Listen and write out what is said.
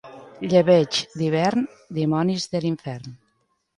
Llebeig d'hivern, dimonis de l'infern.